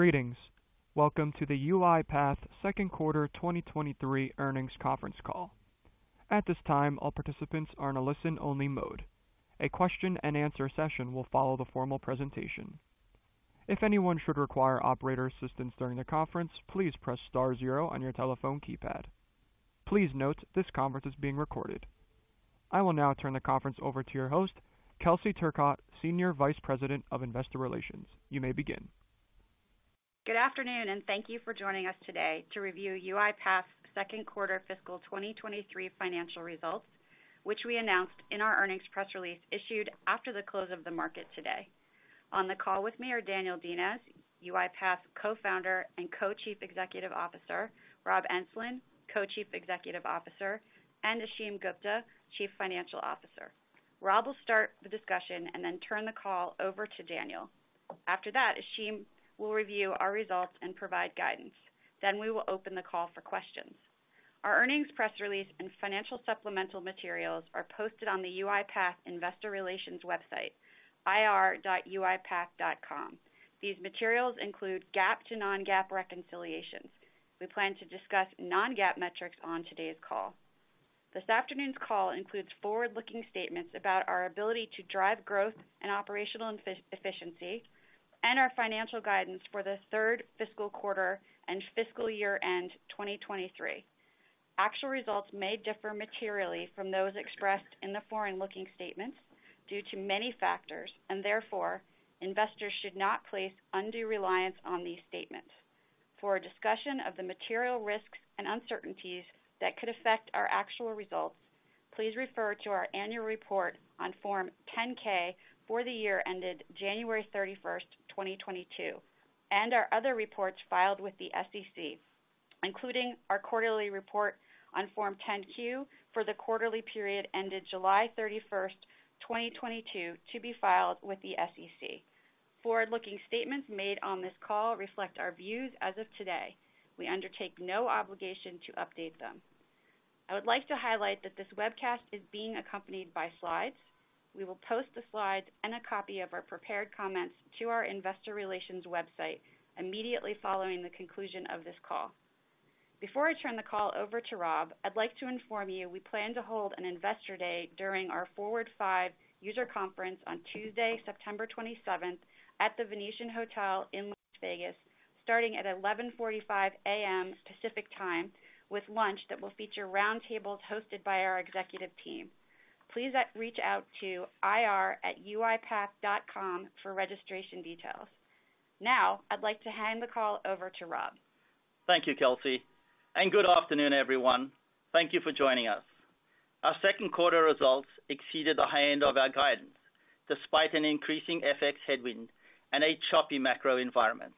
Greetings. Welcome to the UiPath second quarter 2023 earnings conference call. At this time, all participants are in a listen-only mode. A question and answer session will follow the formal presentation. If anyone should require operator assistance during the conference, please press star zero on your telephone keypad. Please note this conference is being recorded. I will now turn the conference over to your host, Kelsey Turcotte, Senior Vice President of Investor Relations. You may begin. Good afternoon, and thank you for joining us today to review UiPath second quarter fiscal 2023 financial results, which we announced in our earnings press release issued after the close of the market today. On the call with me are Daniel Dines, UiPath Co-Founder and Co-Chief Executive Officer, Rob Enslin, Co-Chief Executive Officer, and Ashim Gupta, Chief Financial Officer. Rob will start the discussion and then turn the call over to Daniel. After that, Ashim will review our results and provide guidance. Then we will open the call for questions. Our earnings press release and financial supplemental materials are posted on the UiPath investor relations website, ir.uipath.com. These materials include GAAP to non-GAAP reconciliations. We plan to discuss non-GAAP metrics on today's call. This afternoon's call includes forward-looking statements about our ability to drive growth and operational efficiency, and our financial guidance for the third fiscal quarter and fiscal year-end 2023. Actual results may differ materially from those expressed in the forward-looking statements due to many factors, and therefore, investors should not place undue reliance on these statements. For a discussion of the material risks and uncertainties that could affect our actual results, please refer to our annual report on Form 10-K for the year ended January 31, 2022, and our other reports filed with the SEC, including our quarterly report on Form 10-Q for the quarterly period ended July 31, 2022, to be filed with the SEC. Forward-looking statements made on this call reflect our views as of today. We undertake no obligation to update them. I would like to highlight that this webcast is being accompanied by slides. We will post the slides and a copy of our prepared comments to our investor relations website immediately following the conclusion of this call. Before I turn the call over to Rob, I'd like to inform you we plan to hold an Investor Day during our FORWARD 5 User Conference on Tuesday, September 27th at the Venetian Hotel in Las Vegas, starting at 11:45 A.M. Pacific Time with lunch that will feature roundtables hosted by our executive team. Please reach out to ir@uipath.com for registration details. Now, I'd like to hand the call over to Rob. Thank you, Kelsey, and good afternoon, everyone. Thank you for joining us. Our second quarter results exceeded the high end of our guidance, despite an increasing FX headwind and a choppy macro environment.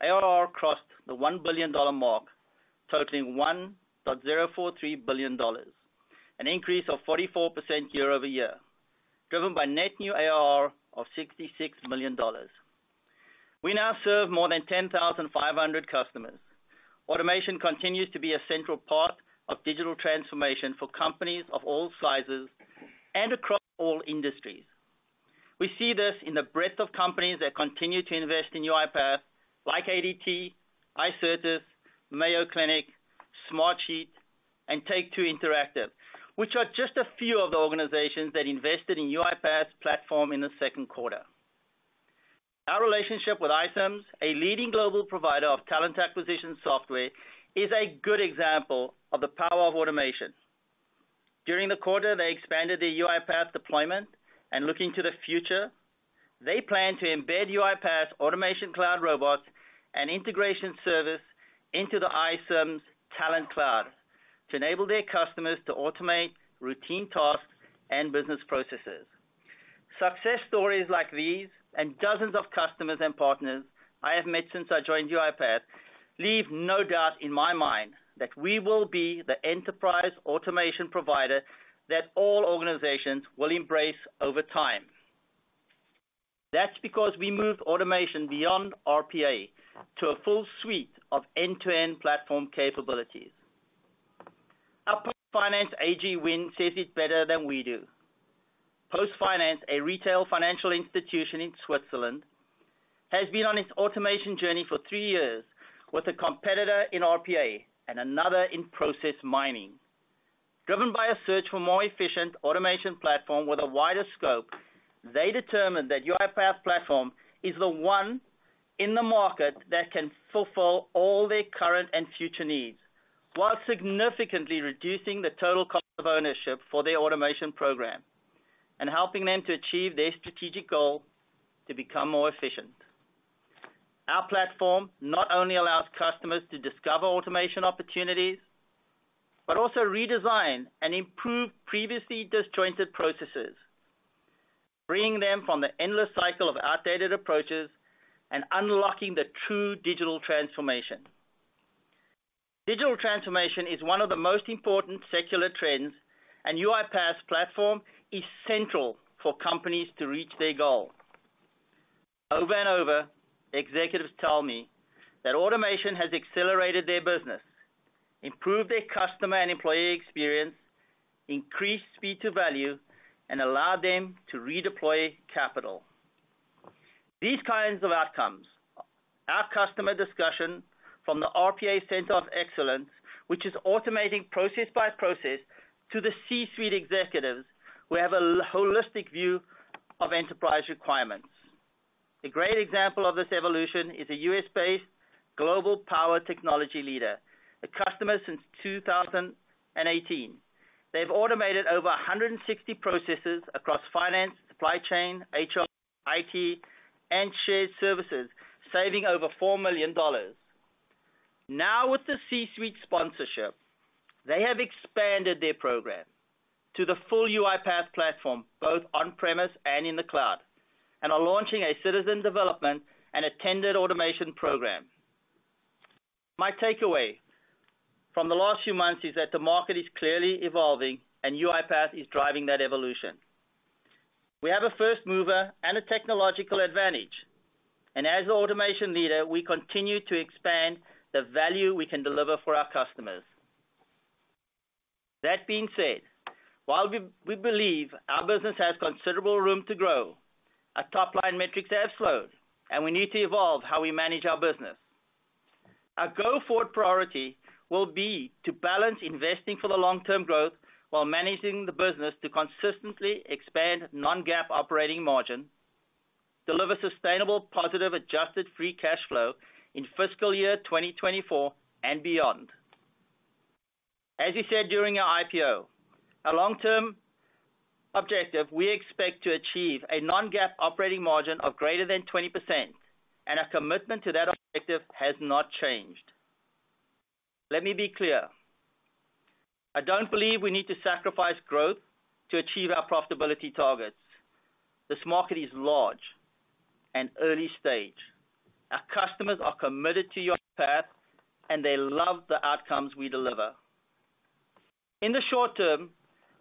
ARR crossed the $1 billion mark, totaling $1.043 billion, an increase of 44% year-over-year, driven by net new ARR of $66 million. We now serve more than 10,500 customers. Automation continues to be a central part of digital transformation for companies of all sizes and across all industries. We see this in the breadth of companies that continue to invest in UiPath, like ADT, Icertis, Mayo Clinic, Smartsheet, and Take-Two Interactive, which are just a few of the organizations that invested in UiPath's platform in the second quarter. Our relationship with iCIMS, a leading global provider of talent acquisition software, is a good example of the power of automation. During the quarter, they expanded their UiPath deployment, and looking to the future, they plan to embed UiPath's Automation Cloud Robots and Integration Service into the iCIMS Talent Cloud to enable their customers to automate routine tasks and business processes. Success stories like these and dozens of customers and partners I have met since I joined UiPath leave no doubt in my mind that we will be the enterprise automation provider that all organizations will embrace over time. That's because we move automation beyond RPA to a full suite of end-to-end platform capabilities. Our PostFinance AG win says it better than we do. PostFinance, a retail financial institution in Switzerland, has been on its automation journey for three years with a competitor in RPA and another in process mining. Driven by a search for more efficient automation platform with a wider scope, they determined that UiPath platform is the one in the market that can fulfill all their current and future needs while significantly reducing the total cost of ownership for their automation program and helping them to achieve their strategic goal to become more efficient. Our platform not only allows customers to discover automation opportunities, but also redesign and improve previously disjointed processes, bringing them from the endless cycle of outdated approaches and unlocking the true digital transformation. Digital transformation is one of the most important secular trends, and UiPath's platform is central for companies to reach their goal. Over and over, executives tell me that automation has accelerated their business, improve their customer and employee experience, increase speed to value, and allow them to redeploy capital. These kinds of outcomes are customer discussion from the RPA Center of Excellence, which is automating process by process to the C-suite executives. We have a holistic view of enterprise requirements. A great example of this evolution is a U.S.-based global power technology leader, a customer since 2018. They've automated over 160 processes across finance, supply chain, HR, IT, and shared services, saving over $4 million. Now, with the C-suite sponsorship, they have expanded their program to the full UiPath platform, both on-premise and in the cloud, and are launching a citizen development and attended automation program. My takeaway from the last few months is that the market is clearly evolving, and UiPath is driving that evolution. We have a first mover and a technological advantage, and as the automation leader, we continue to expand the value we can deliver for our customers. That being said, while we believe our business has considerable room to grow, our top-line metrics have slowed, and we need to evolve how we manage our business. Our go-forward priority will be to balance investing for the long-term growth while managing the business to consistently expand non-GAAP operating margin, deliver sustainable positive adjusted free cash flow in fiscal year 2024 and beyond. As you said during our IPO, our long-term objective, we expect to achieve a non-GAAP operating margin of greater than 20%, and our commitment to that objective has not changed. Let me be clear. I don't believe we need to sacrifice growth to achieve our profitability targets. This market is large and early stage. Our customers are committed to UiPath, and they love the outcomes we deliver. In the short term,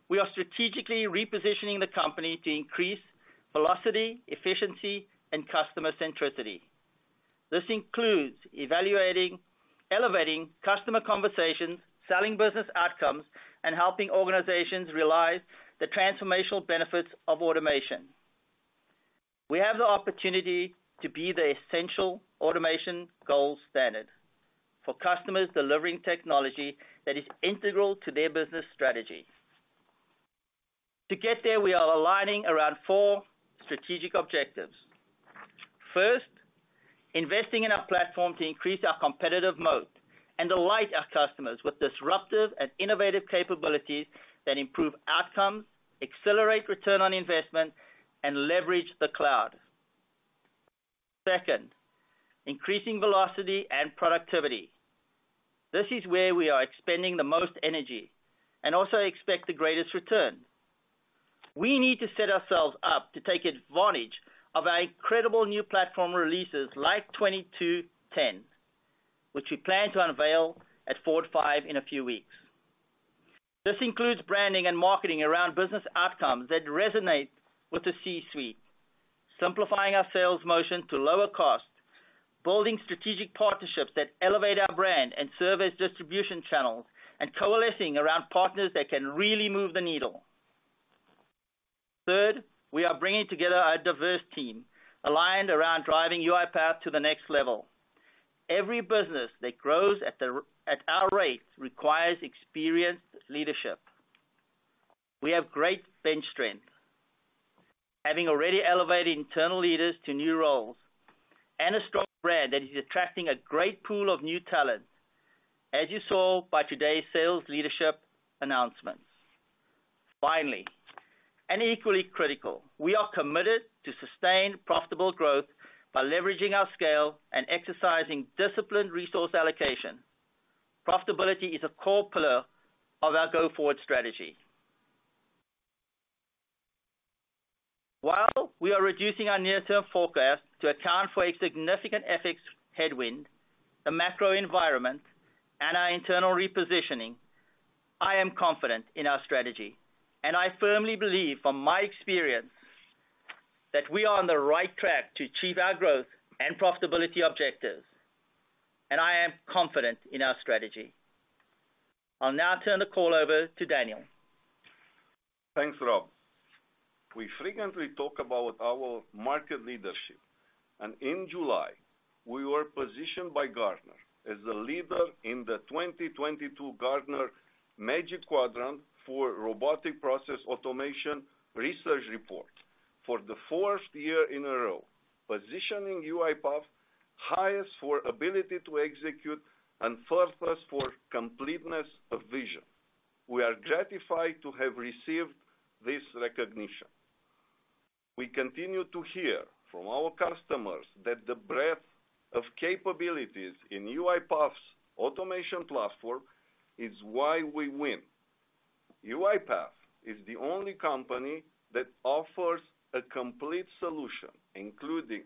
we are strategically repositioning the company to increase velocity, efficiency, and customer centricity. This includes elevating customer conversations, selling business outcomes, and helping organizations realize the transformational benefits of automation. We have the opportunity to be the essential automation gold standard for customers delivering technology that is integral to their business strategy. To get there, we are aligning around four strategic objectives. First, investing in our platform to increase our competitive moat and delight our customers with disruptive and innovative capabilities that improve outcomes, accelerate return on investment, and leverage the cloud. Second, increasing velocity and productivity. This is where we are expending the most energy and also expect the greatest return. We need to set ourselves up to take advantage of our incredible new platform releases like 22.10, which we plan to unveil at FORWARD 5 in a few weeks. This includes branding and marketing around business outcomes that resonate with the C-suite, simplifying our sales motion to lower cost, building strategic partnerships that elevate our brand and serve as distribution channels, and coalescing around partners that can really move the needle. Third, we are bringing together a diverse team aligned around driving UiPath to the next level. Every business that grows at our rate requires experienced leadership. We have great bench strength, having already elevated internal leaders to new roles and a strong brand that is attracting a great pool of new talent, as you saw by today's sales leadership announcements. Finally, and equally critical, we are committed to sustained profitable growth by leveraging our scale and exercising disciplined resource allocation. Profitability is a core pillar of our go-forward strategy. While we are reducing our near-term forecast to account for a significant FX headwind, the macro environment, and our internal repositioning, I am confident in our strategy and I firmly believe from my experience that we are on the right track to achieve our growth and profitability objectives, and I am confident in our strategy. I'll now turn the call over to Daniel. Thanks, Rob. We frequently talk about our market leadership, and in July, we were positioned by Gartner as the leader in the 2022 Gartner Magic Quadrant for Robotic Process Automation research report for the fourth year in a row, positioning UiPath highest for ability to execute and first in for completeness of vision. We are gratified to have received this recognition. We continue to hear from our customers that the breadth of capabilities in UiPath's automation platform is why we win. UiPath is the only company that offers a complete solution, including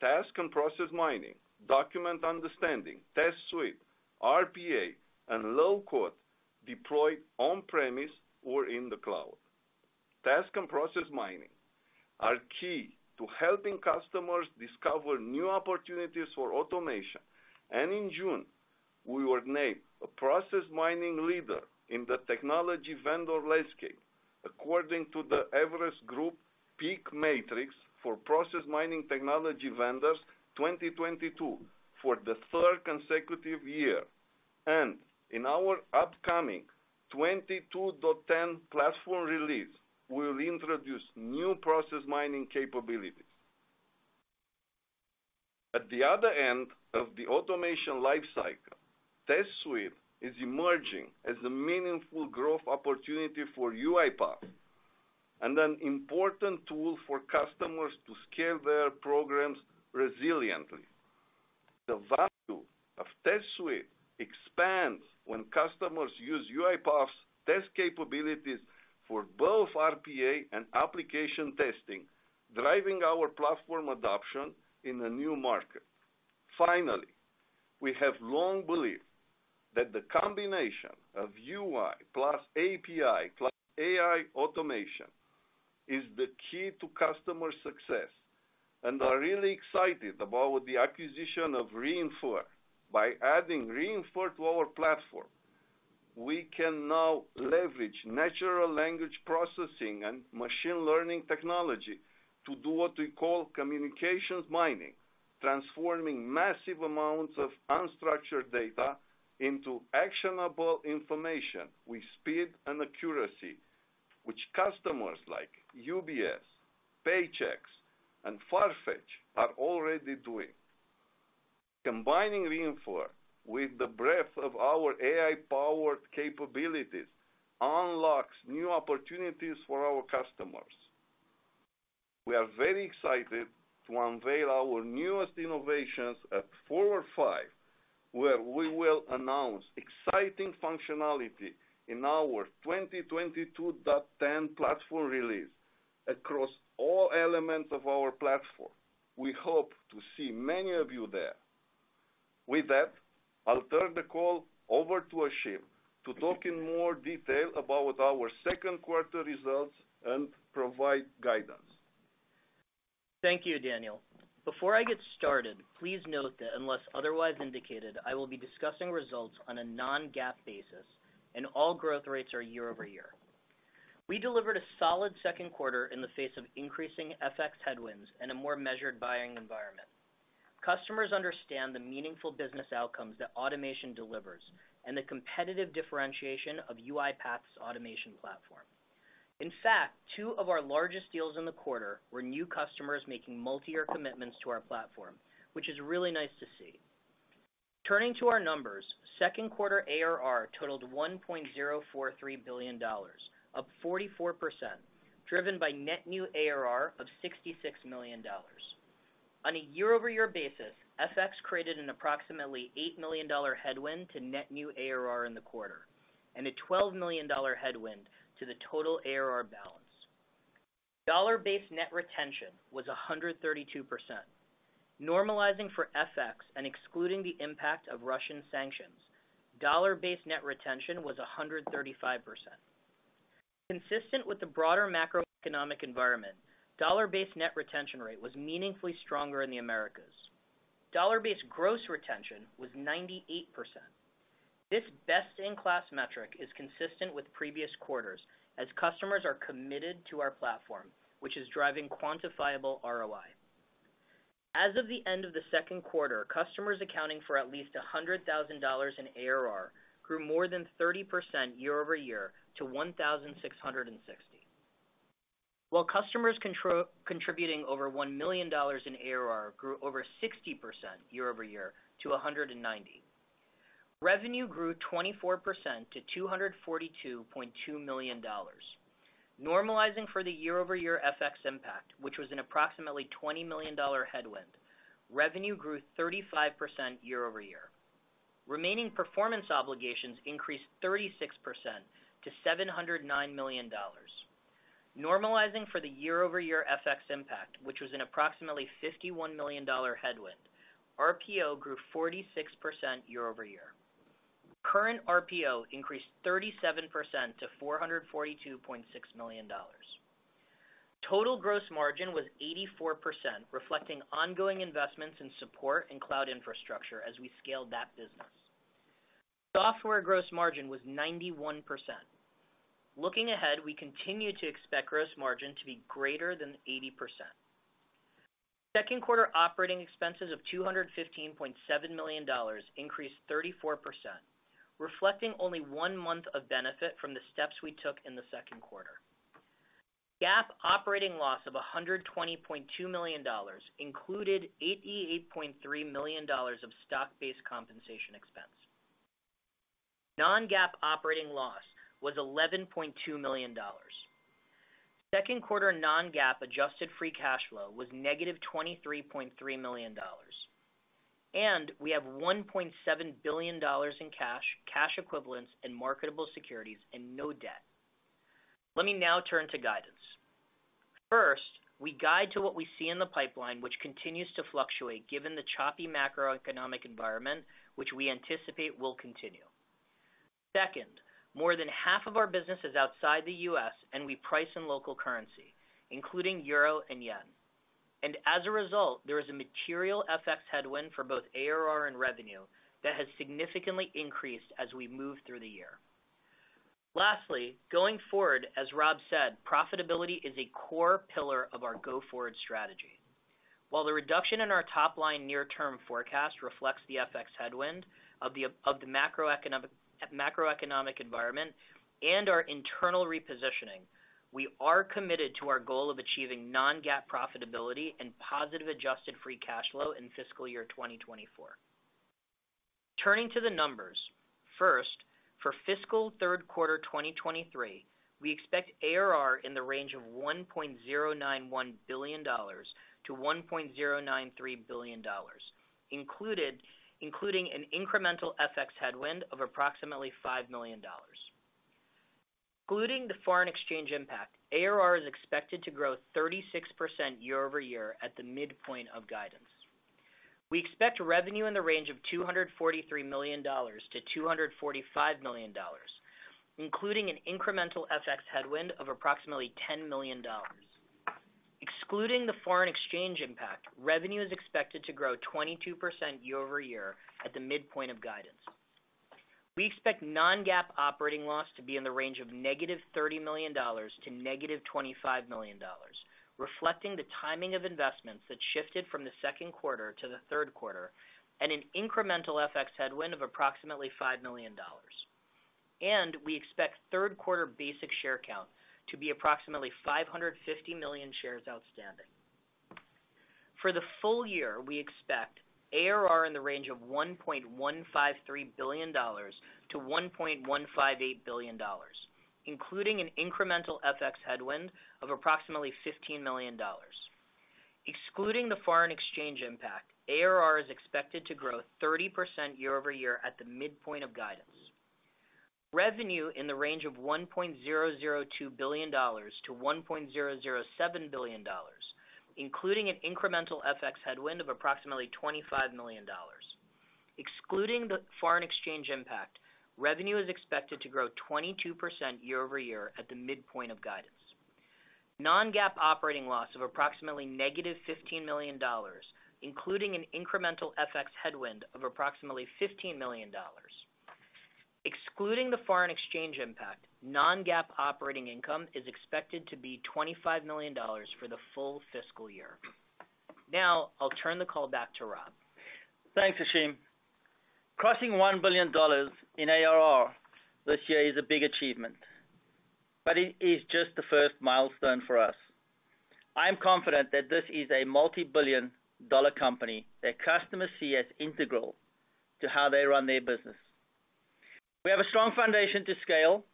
task and process mining, document understanding, test suite, RPA, and low-code deployed on-premise or in the cloud. Task and process mining are key to helping customers discover new opportunities for automation. In June, we were named a process mining leader in the technology vendor landscape according to the Everest Group PEAK Matrix for process mining technology vendors 2022 for the third consecutive year. In our upcoming 22.10 platform release, we'll introduce new process mining capabilities. At the other end of the automation life cycle, Test Suite is emerging as a meaningful growth opportunity for UiPath and an important tool for customers to scale their programs resiliently. The value of Test Suite expands when customers use UiPath's test capabilities for both RPA and application testing, driving our platform adoption in a new market. Finally, we have long believed that the combination of UI plus API plus AI automation is the key to customer success and are really excited about the acquisition of Re:infer. By adding Re:infer to our platform, we can now leverage natural language processing and machine learning technology to do what we call Communications Mining, transforming massive amounts of unstructured data into actionable information with speed and accuracy, which customers like UBS, Paychex, and Farfetch are already doing. Combining Re:infer with the breadth of our AI-powered capabilities unlocks new opportunities for our customers. We are very excited to unveil our newest innovations at FORWARD 5, where we will announce exciting functionality in our 2022.10 platform release across all elements of our platform. We hope to see many of you there. With that, I'll turn the call over to Ashim to talk in more detail about our second quarter results and provide guidance. Thank you, Daniel. Before I get started, please note that unless otherwise indicated, I will be discussing results on a non-GAAP basis, and all growth rates are year-over-year. We delivered a solid second quarter in the face of increasing FX headwinds and a more measured buying environment. Customers understand the meaningful business outcomes that automation delivers and the competitive differentiation of UiPath's automation platform. In fact, two of our largest deals in the quarter were new customers making multi-year commitments to our platform, which is really nice to see. Turning to our numbers, second quarter ARR totaled $1.043 billion, up 44%, driven by net new ARR of $66 million. On a year-over-year basis, FX created an approximately $8 million headwind to net new ARR in the quarter, and a $12 million headwind to the total ARR balance. Dollar-based net retention was 132%. Normalizing for FX and excluding the impact of Russian sanctions, dollar-based net retention was 135%. Consistent with the broader macroeconomic environment, dollar-based net retention rate was meaningfully stronger in the Americas. Dollar-based gross retention was 98%. This best-in-class metric is consistent with previous quarters as customers are committed to our platform, which is driving quantifiable ROI. As of the end of the second quarter, customers accounting for at least $100,000 in ARR grew more than 30% year-over-year to $1,660, while customers contributing over $1 million in ARR grew over 60% year-over-year to $190. Revenue grew 24% to $242.2 million. Normalizing for the year-over-year FX impact, which was an approximately $20 million headwind, revenue grew 35% year over year. Remaining performance obligations increased 36% to $709 million. Normalizing for the year-over-year FX impact, which was an approximately $51 million headwind, RPO grew 46% year-over-year. Current RPO increased 37% to $442.6 million. Total gross margin was 84%, reflecting ongoing investments in support and cloud infrastructure as we scale that business. Software gross margin was 91%. Looking ahead, we continue to expect gross margin to be greater than 80%. Second quarter operating expenses of $215.7 million increased 34%, reflecting only one month of benefit from the steps we took in the second quarter. GAAP operating loss of $120.2 million included $88.3 million of stock-based compensation expense. Non-GAAP operating loss was $11.2 million. Second quarter non-GAAP adjusted free cash flow was -$23.3 million. We have $1.7 billion in cash equivalents and marketable securities and no debt. Let me now turn to guidance. First, we guide to what we see in the pipeline, which continues to fluctuate given the choppy macroeconomic environment, which we anticipate will continue. Second, more than half of our business is outside the U.S., and we price in local currency, including euro and yen. As a result, there is a material FX headwind for both ARR and revenue that has significantly increased as we move through the year. Lastly, going forward, as Rob said, profitability is a core pillar of our go-forward strategy. While the reduction in our top line near term forecast reflects the FX headwind of the macroeconomic environment and our internal repositioning, we are committed to our goal of achieving non-GAAP profitability and positive adjusted free cash flow in fiscal year 2024. Turning to the numbers. First, for fiscal third quarter 2023, we expect ARR in the range of $1.091 billion-$1.093 billion, including an incremental FX headwind of approximately $5 million. Excluding the foreign exchange impact, ARR is expected to grow 36% year-over-year at the midpoint of guidance. We expect revenue in the range of $243 million-$245 million, including an incremental FX headwind of approximately $10 million. Excluding the foreign exchange impact, revenue is expected to grow 22% year-over-year at the midpoint of guidance. We expect non-GAAP operating loss to be in the range of -$30 million to -$25 million, reflecting the timing of investments that shifted from the second quarter to the third quarter, and an incremental FX headwind of approximately $5 million. We expect third quarter basic share count to be approximately 550 million shares outstanding. For the full year, we expect ARR in the range of $1.153 billion-$1.158 billion, including an incremental FX headwind of approximately $15 million. Excluding the foreign exchange impact, ARR is expected to grow 30% year-over-year at the midpoint of guidance. Revenue in the range of $1.002 billion-$1.007 billion, including an incremental FX headwind of approximately $25 million. Excluding the foreign exchange impact, revenue is expected to grow 22% year-over-year at the midpoint of guidance. Non-GAAP operating loss of approximately -$15 million, including an incremental FX headwind of approximately $15 million. Excluding the foreign exchange impact, non-GAAP operating income is expected to be $25 million for the full fiscal year. Now I'll turn the call back to Rob. Thanks, Ashim. Crossing $1 billion in ARR this year is a big achievement, but it is just the first milestone for us. I'm confident that this is a multi-billion dollar company that customers see as integral to how they run their business. We have a strong foundation to scale,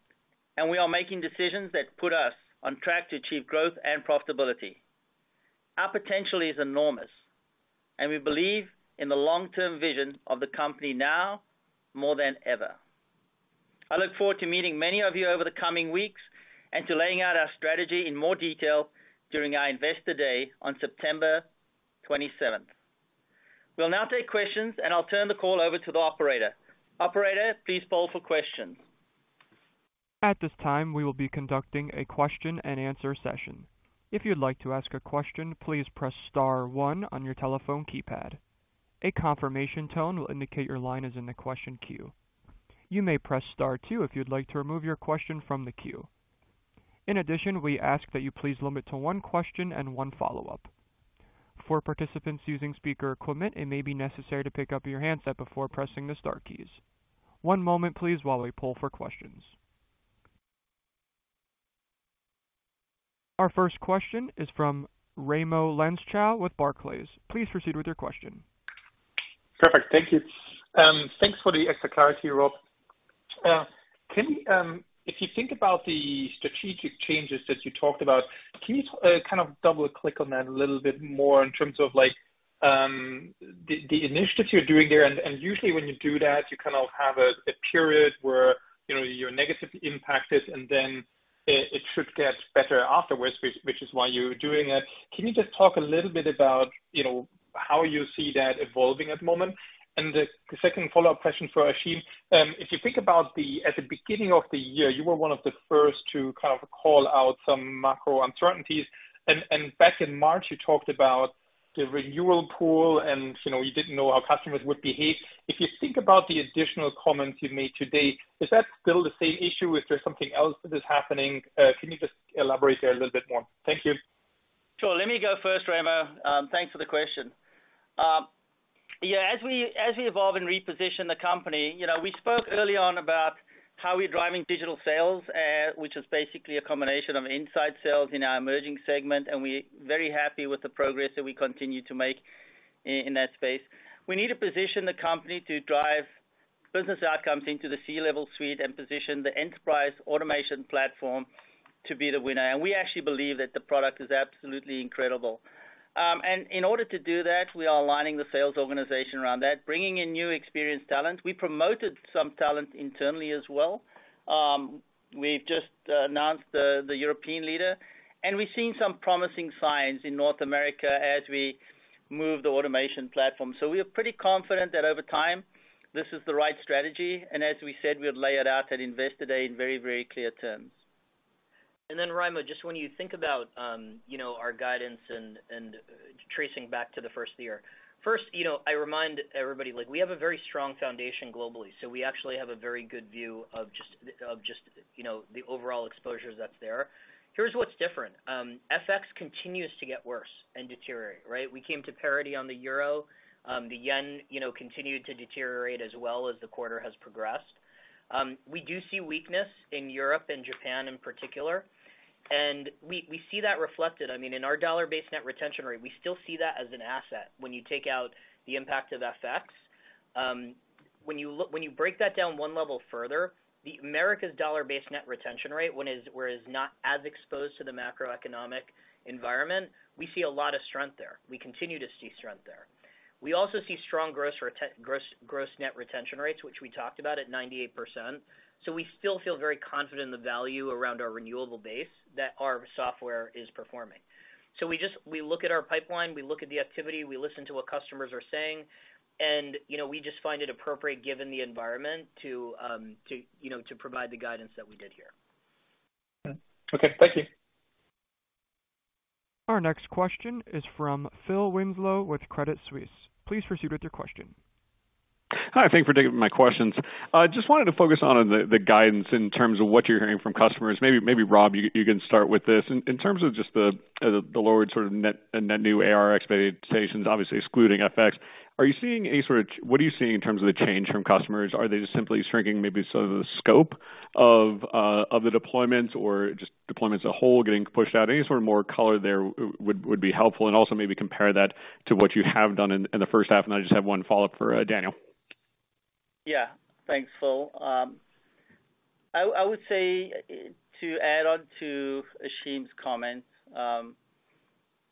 and we are making decisions that put us on track to achieve growth and profitability. Our potential is enormous, and we believe in the long-term vision of the company now more than ever. I look forward to meeting many of you over the coming weeks and to laying out our strategy in more detail during our Investor Day on September 27th. We'll now take questions, and I'll turn the call over to the operator. Operator, please poll for questions. At this time, we will be conducting a question-and-answer session. If you'd like to ask a question, please press star one on your telephone keypad. A confirmation tone will indicate your line is in the question queue. You may press star two if you'd like to remove your question from the queue. In addition, we ask that you please limit to one question and one follow-up. For participants using speaker equipment, it may be necessary to pick up your handset before pressing the star keys. One moment, please, while we poll for questions. Our first question is from Raimo Lenschow with Barclays. Please proceed with your question. Perfect. Thank you. Thanks for the extra clarity, Rob. If you think about the strategic changes that you talked about, can you kind of double-click on that a little bit more in terms of like the initiative you're doing there? Usually when you do that, you kind of have a period where you know you're negatively impacted and then it should get better afterwards, which is why you're doing it. Can you just talk a little bit about you know how you see that evolving at the moment? The second follow-up question for Ashim, if you think about at the beginning of the year, you were one of the first to kind of call out some macro uncertainties. Back in March, you talked about the renewal pool and, you know, you didn't know how customers would behave. If you think about the additional comments you've made today, is that still the same issue or is there something else that is happening? Can you just elaborate there a little bit more? Thank you. Sure. Let me go first, Raimo. Thanks for the question. Yeah, as we evolve and reposition the company, you know, we spoke early on about how we're driving digital sales, which is basically a combination of inside sales in our emerging segment, and we're very happy with the progress that we continue to make in that space. We need to position the company to drive business outcomes into the C-level suite and position the enterprise automation platform to be the winner. We actually believe that the product is absolutely incredible. In order to do that, we are aligning the sales organization around that, bringing in new experienced talent. We promoted some talent internally as well. We've just announced the European leader, and we've seen some promising signs in North America as we move the automation platform. We are pretty confident that over time this is the right strategy, and as we said, we'll lay it out at Investor Day in very, very clear terms. Raimo, just when you think about our guidance and tracing back to the first year. First, you know, I remind everybody, like we have a very strong foundation globally, so we actually have a very good view of just you know, the overall exposures that's there. Here's what's different. FX continues to get worse and deteriorate, right? We came to parity on the euro. The yen, you know, continued to deteriorate as well as the quarter has progressed. We do see weakness in Europe and Japan in particular, and we see that reflected. I mean, in our dollar-based net retention rate. We still see that as an asset when you take out the impact of FX. When you break that down one level further, the Americas dollar-based net retention rate, which is not as exposed to the macroeconomic environment, we see a lot of strength there. We continue to see strength there. We also see strong gross, net retention rates, which we talked about at 98%. We still feel very confident in the value around our recurring base that our software is performing. We look at our pipeline, we look at the activity, we listen to what customers are saying, and, you know, we just find it appropriate given the environment to, you know, provide the guidance that we did here. Okay. Thank you. Our next question is from Phil Winslow with Credit Suisse. Please proceed with your question. Hi. Thanks for taking my questions. I just wanted to focus on the guidance in terms of what you're hearing from customers. Maybe Rob, you can start with this. In terms of just the lowered sort of net new ARR expectations, obviously excluding FX. Are you seeing any sort of change from customers? What are you seeing in terms of the change from customers? Are they just simply shrinking maybe some of the scope of the deployments or just deployments as a whole getting pushed out? Any sort of more color there would be helpful and also maybe compare that to what you have done in the first half. I just have one follow-up for Daniel. Yeah. Thanks, Phil. I would say to add on to Ashim's comments,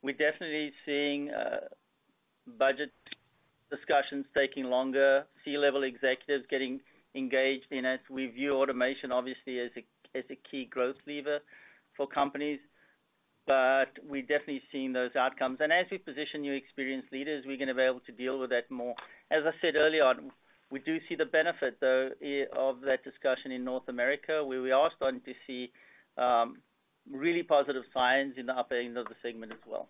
we're definitely seeing budget discussions taking longer, C-level executives getting engaged in as we view automation obviously as a key growth lever for companies. But we've definitely seen those outcomes. As we position new experienced leaders, we're gonna be able to deal with that more. As I said early on, we do see the benefit though of that discussion in North America, where we are starting to see really positive signs in the upper end of the segment as well.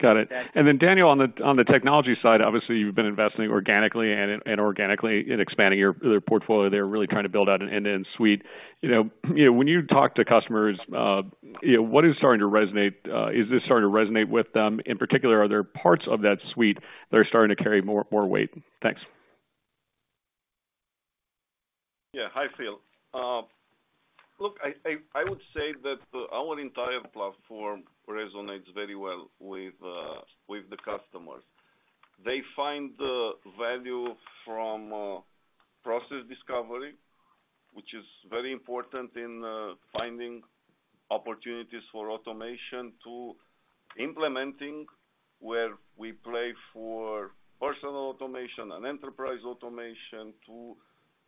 Got it. Yeah. Daniel, on the technology side, obviously you've been investing organically in expanding your portfolio. They're really trying to build out an end-to-end suite. You know, when you talk to customers, you know, what is starting to resonate? Is this starting to resonate with them? In particular, are there parts of that suite that are starting to carry more weight? Thanks. Yeah. Hi, Phil. Look, I would say that our entire platform resonates very well with the customers. They find the value from process discovery, which is very important in finding opportunities for automation to implementing where we play for personal automation and enterprise automation to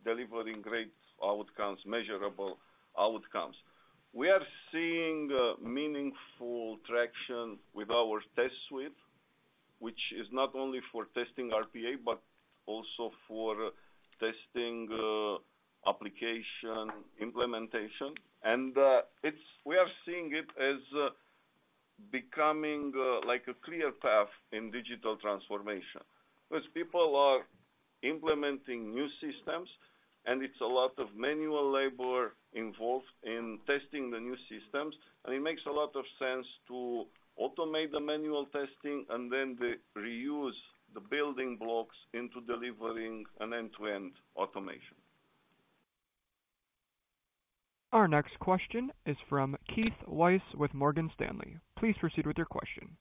delivering great outcomes, measurable outcomes. We are seeing meaningful traction with our test suite, which is not only for testing RPA, but also for testing application implementation. We are seeing it as becoming like a clear path in digital transformation. People are implementing new systems, and it's a lot of manual labor involved in testing the new systems, and it makes a lot of sense to automate the manual testing and then they reuse the building blocks into delivering an end-to-end automation. Our next question is from Keith Weiss with Morgan Stanley. Please proceed with your question.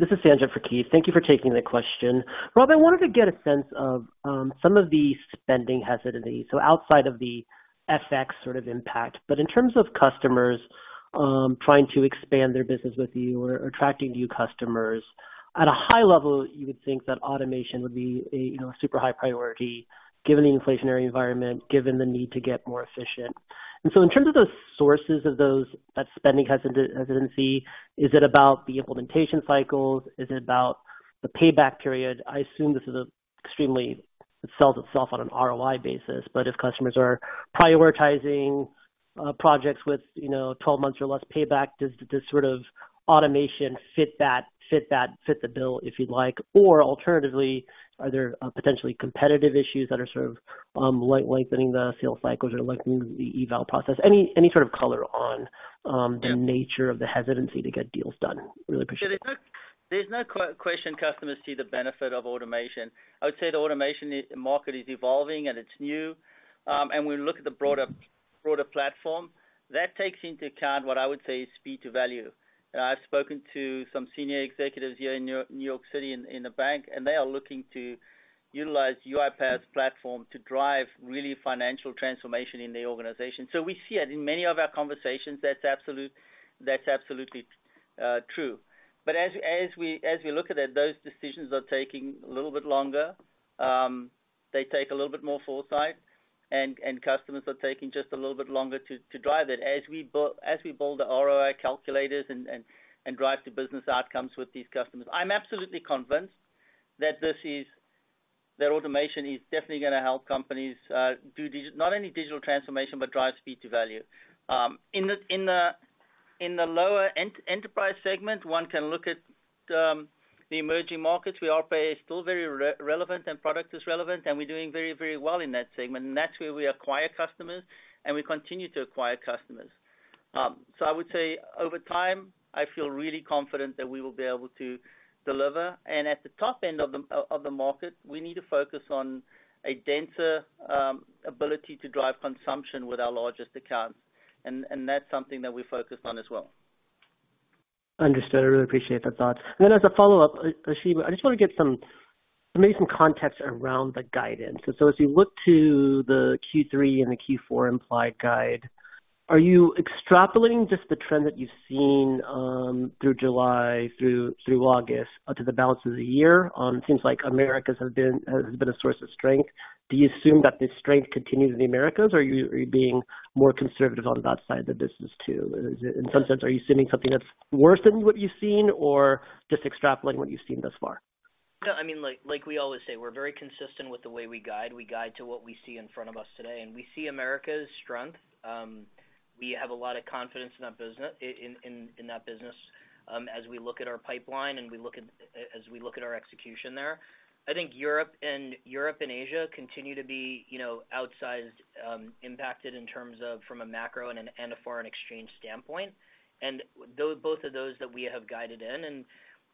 This is Sanjit Singh for Keith Weiss. Thank you for taking the question. Rob, I wanted to get a sense of some of the spending hesitancy, so outside of the FX sort of impact, but in terms of customers trying to expand their business with you or attracting new customers. At a high level, you would think that automation would be a you know super high priority given the inflationary environment, given the need to get more efficient. In terms of the sources of that spending hesitancy, is it about the implementation cycles? Is it about the payback period? I assume it sells itself on an ROI basis. If customers are prioritizing projects with you know 12 months or less payback, does this sort of automation fit that, fit the bill, if you'd like? Are there potentially competitive issues that are sort of lengthening the sales cycles or lengthening the eval process? Any sort of color on? Yeah. The nature of the hesitancy to get deals done? Really appreciate it. There's no question customers see the benefit of automation. I would say the automation market is evolving and it's new. When you look at the broader platform, that takes into account what I would say is speed to value. I've spoken to some senior executives here in New York City in the bank, and they are looking to utilize UiPath's platform to drive really financial transformation in the organization. We see it in many of our conversations. That's absolutely true. As we look at it, those decisions are taking a little bit longer. They take a little bit more foresight and customers are taking just a little bit longer to drive it. As we build the ROI calculators and drive to business outcomes with these customers. I'm absolutely convinced that automation is definitely gonna help companies do not only digital transformation, but drive speed to value. In the lower enterprise segment, one can look at the emerging markets. We are still very relevant and product is relevant, and we're doing very well in that segment. That's where we acquire customers and we continue to acquire customers. I would say over time, I feel really confident that we will be able to deliver. At the top end of the market, we need to focus on a denser ability to drive consumption with our largest accounts. That's something that we're focused on as well. Understood. I really appreciate the thought. As a follow-up, Ashim, I just wanna get some, maybe some context around the guidance. As we look to the Q3 and the Q4 implied guide, are you extrapolating just the trend that you've seen through July through August onto the balance of the year? It seems like Americas has been a source of strength. Do you assume that the strength continues in the Americas, or are you being more conservative on that side of the business, too? In some sense, are you assuming something that's worse than what you've seen or just extrapolating what you've seen thus far? No, I mean, like we always say, we're very consistent with the way we guide. We guide to what we see in front of us today. We see America's strength. We have a lot of confidence in that business as we look at our pipeline and as we look at our execution there. I think Europe and Asia continue to be, you know, outsized impacted in terms of from a macro and a foreign exchange standpoint. Both of those that we have guided in.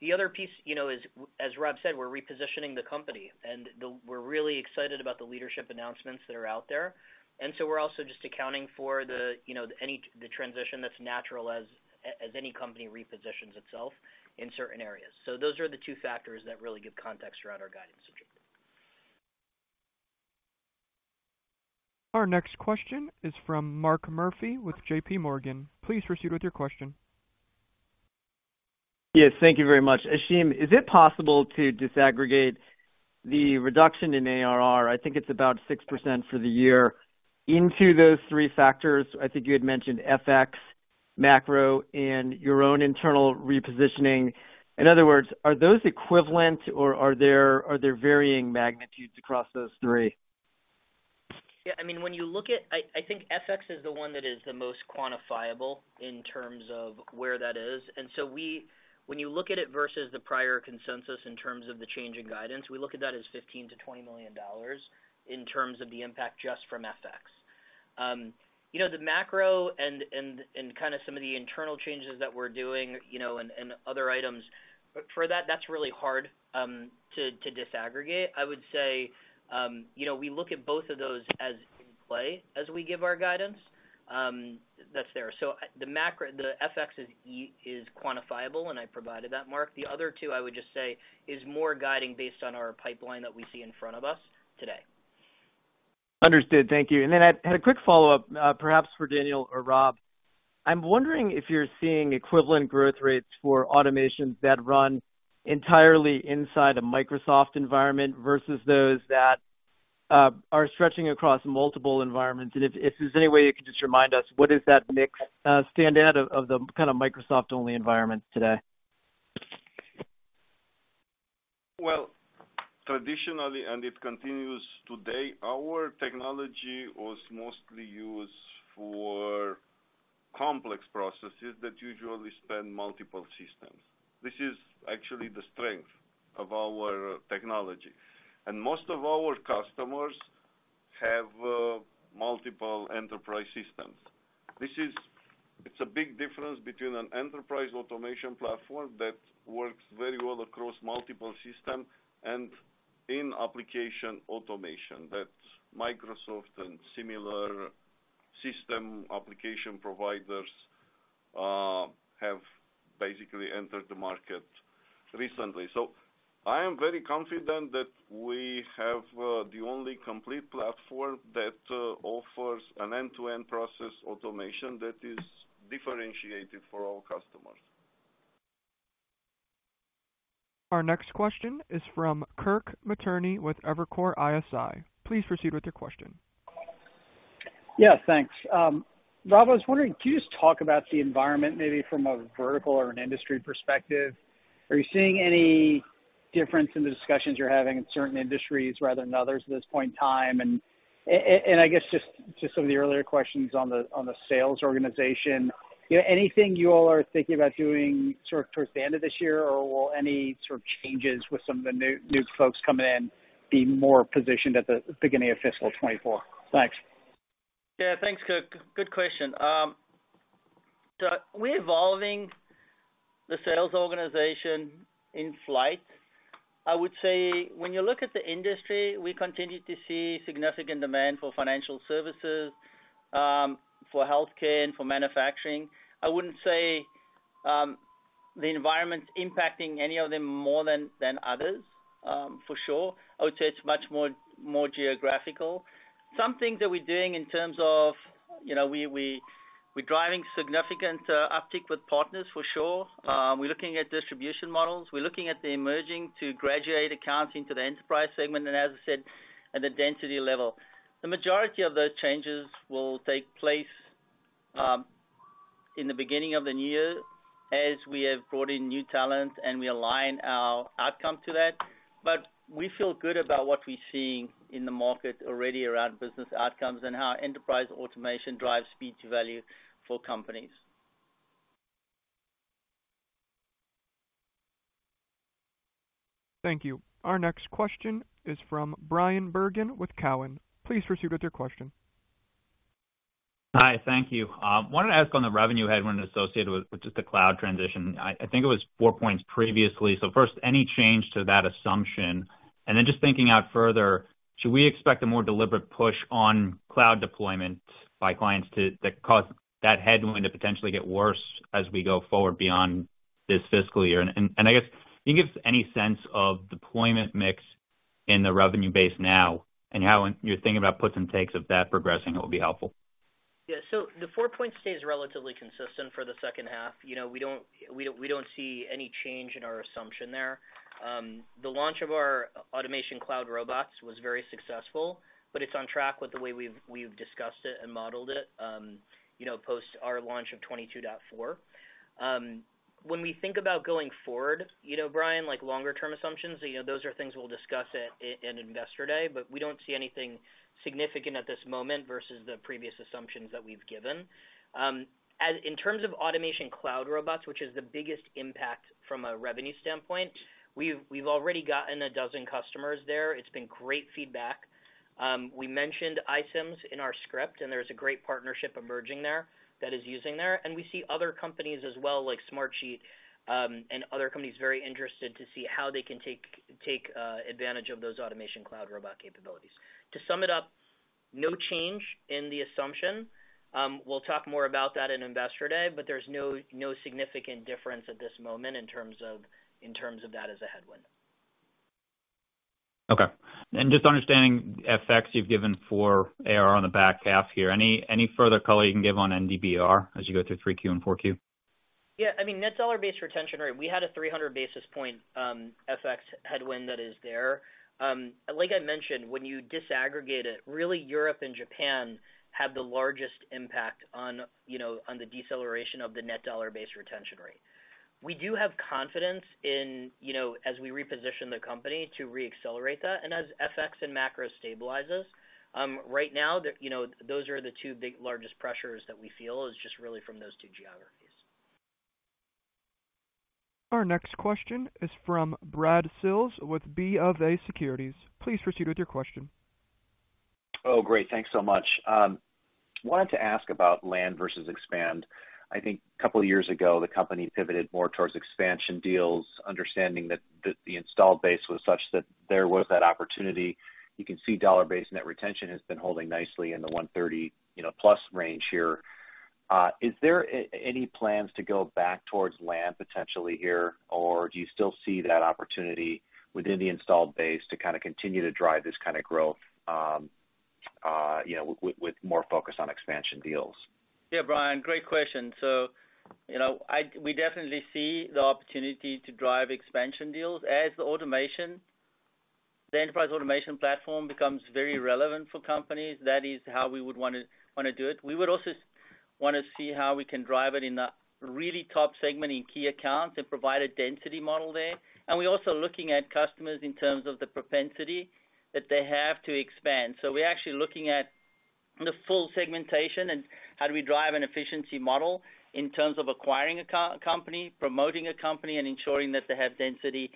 The other piece, you know, as Rob said, we're repositioning the company, and we're really excited about the leadership announcements that are out there. We're also just accounting for the, you know, the transition that's natural as any company repositions itself in certain areas. Those are the two factors that really give context around our guidance, Sanjit. Our next question is from Mark Murphy with JPMorgan. Please proceed with your question. Yes, thank you very much. Ashim, is it possible to disaggregate the reduction in ARR, I think it's about 6% for the year, into those three factors? I think you had mentioned FX, macro, and your own internal repositioning. In other words, are those equivalent or are there, are there varying magnitudes across those three? Yeah, I mean, when you look at I think FX is the one that is the most quantifiable in terms of where that is. When you look at it versus the prior consensus in terms of the change in guidance, we look at that as $15 million-$20 million in terms of the impact just from FX. You know, the macro and kinda some of the internal changes that we're doing, you know, and other items, for that's really hard to disaggregate. I would say, you know, we look at both of those as in play as we give our guidance. That's there. The FX is quantifiable, and I provided that, Mark. The other two I would just say is more guiding based on our pipeline that we see in front of us today. Understood. Thank you. I had a quick follow-up, perhaps for Daniel or Rob. I'm wondering if you're seeing equivalent growth rates for automations that run entirely inside a Microsoft environment versus those that are stretching across multiple environments. If there's any way you can just remind us what is that mix out of the kind of Microsoft-only environment today? Well, traditionally, it continues today, our technology was mostly used for complex processes that usually span multiple systems. This is actually the strength of our technology. Most of our customers have multiple enterprise systems. This is a big difference between an enterprise automation platform that works very well across multiple systems and application automation that Microsoft and similar system/application providers have basically entered the market recently. I am very confident that we have the only complete platform that offers an end-to-end process automation that is differentiated for our customers. Our next question is from Kirk Materne with Evercore ISI. Please proceed with your question. Yeah, thanks. Rob, I was wondering, could you just talk about the environment maybe from a vertical or an industry perspective? Are you seeing any difference in the discussions you're having in certain industries rather than others at this point in time? I guess just to some of the earlier questions on the sales organization, you know, anything you all are thinking about doing sort of towards the end of this year or will any sort of changes with some of the new folks coming in be more positioned at the beginning of fiscal 2024? Thanks. Yeah. Thanks, Kirk. Good question. So we're evolving the sales organization in flight. I would say when you look at the industry, we continue to see significant demand for financial services, for healthcare, and for manufacturing. I wouldn't say the environment's impacting any of them more than others, for sure. I would say it's much more geographical. Some things that we're doing in terms of, you know, we We're driving significant uptick with partners for sure. We're looking at distribution models. We're looking at the emerging to graduate accounts into the enterprise segment, and as I said, at the density level. The majority of those changes will take place in the beginning of the year as we have brought in new talent and we align our outcome to that. We feel good about what we're seeing in the market already around business outcomes and how enterprise automation drives speed to value for companies. Thank you. Our next question is from Bryan Bergin with Cowen. Please proceed with your question. Hi. Thank you. Wanted to ask on the revenue headwind associated with just the cloud transition. I think it was 4 points previously. First, any change to that assumption? And then just thinking out further, should we expect a more deliberate push on cloud deployment by clients to that cause that headwind to potentially get worse as we go forward beyond this fiscal year? And I guess can you give us any sense of deployment mix in the revenue base now and how, when you're thinking about puts and takes of that progressing, it would be helpful. Yeah. The four points stays relatively consistent for the second half. You know, we don't see any change in our assumption there. The launch of our Automation Cloud Robots was very successful, but it's on track with the way we've discussed it and modeled it, you know, post our launch of 22.4. When we think about going forward, you know, Bryan, like longer term assumptions, you know, those are things we'll discuss in Investor Day, but we don't see anything significant at this moment versus the previous assumptions that we've given. As in terms of Automation Cloud Robots, which is the biggest impact from a revenue standpoint, we've already gotten 12 customers there. It's been great feedback. We mentioned iCIMS in our script, and there's a great partnership emerging there that is using there. We see other companies as well, like Smartsheet, and other companies very interested to see how they can take advantage of those Automation Cloud Robots capabilities. To sum it up, no change in the assumption. We'll talk more about that in Investor Day, but there's no significant difference at this moment in terms of that as a headwind. Okay. Just understanding FX you've given for ARR on the back half here. Any further color you can give on NDBR as you go through 3Q and 4Q? Yeah. I mean, net dollar-based retention rate. We had a 300 basis point FX headwind that is there. Like I mentioned, when you disaggregate it, really Europe and Japan have the largest impact on, you know, on the deceleration of the net dollar-based retention rate. We do have confidence in, you know, as we reposition the company to reaccelerate that and as FX and macro stabilizes. Right now, you know, those are the two biggest pressures that we feel is just really from those two geographies. Our next question is from Brad Sills with BofA Securities. Please proceed with your question. Oh, great. Thanks so much. Wanted to ask about land versus expand. I think a couple of years ago, the company pivoted more towards expansion deals, understanding that the installed base was such that there was that opportunity. You can see dollar-based net retention has been holding nicely in the 130+ range here. Is there any plans to go back towards land potentially here, or do you still see that opportunity within the installed base to kind of continue to drive this kind of growth, you know, with more focus on expansion deals? Yeah, Bryan, great question. You know, we definitely see the opportunity to drive expansion deals. The enterprise automation platform becomes very relevant for companies. That is how we would wanna do it. We would also wanna see how we can drive it in a really top segment in key accounts and provide a density model there. We're also looking at customers in terms of the propensity that they have to expand. We're actually looking at the full segmentation and how do we drive an efficiency model in terms of acquiring a customer, promoting a customer, and ensuring that they have density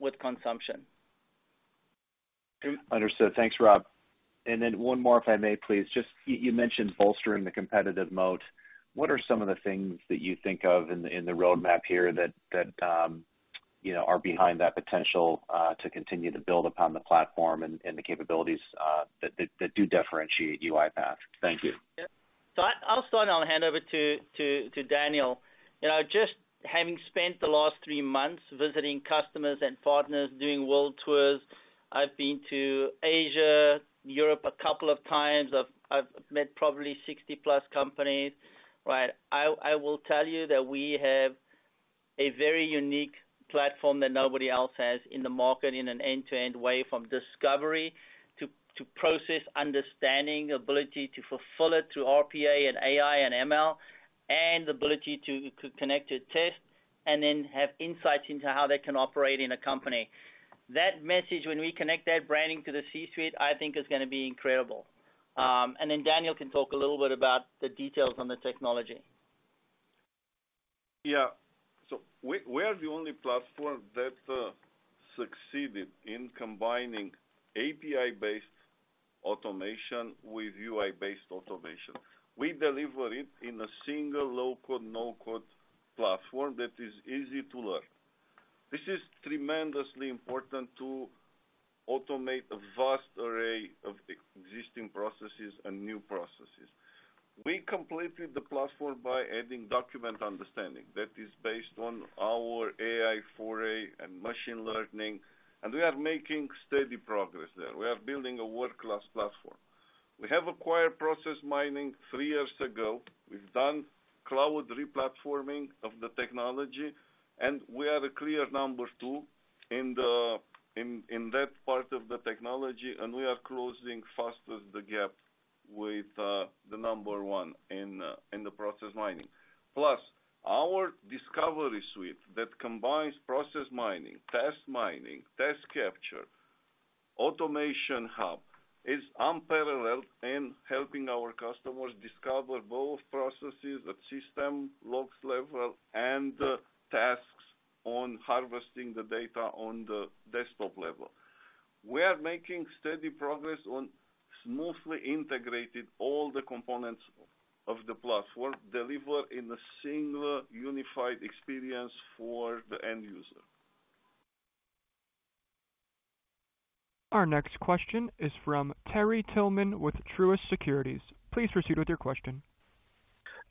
with consumption. Understood. Thanks, Rob. One more if I may please. Just you mentioned bolstering the competitive moat. What are some of the things that you think of in the roadmap here that you know are behind that potential to continue to build upon the platform and the capabilities that do differentiate UiPath? Thank you. Yeah. I'll start, and I'll hand over to Daniel. You know, just having spent the last three months visiting customers and partners doing world tours, I've been to Asia, Europe a couple of times. I've met probably 60-plus companies, right? I will tell you that we have a very unique platform that nobody else has in the market in an end-to-end way from discovery to process understanding, ability to fulfill it through RPA and AI and ML, and the ability to connect to test and then have insights into how they can operate in a company. That message, when we connect that branding to the C-suite, I think is gonna be incredible. Daniel can talk a little bit about the details on the technology. Yeah. We are the only platform that succeeded in combining API-based automation with UI-based automation. We deliver it in a single low-code, no-code platform that is easy to learn. This is tremendously important to automate a vast array of existing processes and new processes. We completed the platform by adding Document Understanding that is based on our AI fabric and machine learning, and we are making steady progress there. We are building a world-class platform. We have acquired Process Mining three years ago. We've done cloud replatforming of the technology, and we are a clear number two in that part of the technology, and we are closing faster the gap with the number one in the Process Mining. Our Discovery Suite that combines Process Mining, Task Mining, Task Capture, Automation Hub is unparalleled in helping our customers discover both processes at system logs level and tasks on harvesting the data on the desktop level. We are making steady progress on smoothly integrated all the components of the platform deliver in a single unified experience for the end user. Our next question is from Terry Tillman with Truist Securities. Please proceed with your question.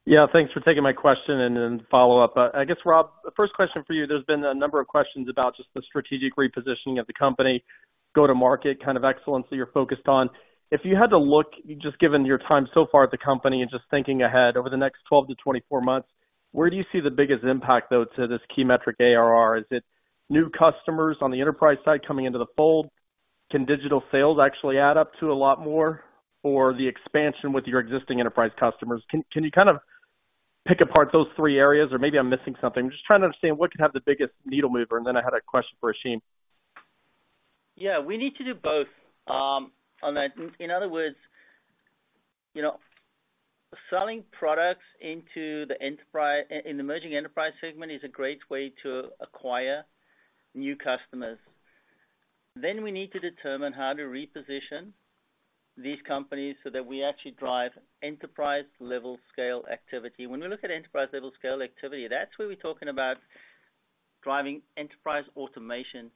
Yeah, thanks for taking my question, and then follow-up. I guess, Rob, the first question for you, there's been a number of questions about just the strategic repositioning of the company, go-to-market kind of excellence that you're focused on. If you had to look just given your time so far at the company and just thinking ahead over the next 12-24 months, where do you see the biggest impact though to this key metric ARR? Is it new customers on the enterprise side coming into the fold? Can digital sales actually add up to a lot more or the expansion with your existing enterprise customers? Can you kind of pick apart those three areas? Or maybe I'm missing something. Just trying to understand what could have the biggest needle mover. I had a question for Ashim. Yeah, we need to do both. In other words, you know, selling products into the enterprise in the emerging enterprise segment is a great way to acquire new customers. We need to determine how to reposition these companies so that we actually drive enterprise level scale activity. When we look at enterprise level scale activity, that's where we're talking about driving enterprise automation